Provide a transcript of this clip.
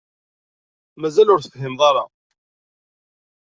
Mazal ur tefhimeḍ ara.